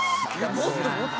もっともっと。